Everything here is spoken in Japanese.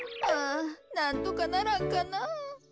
ああなんとかならんかな。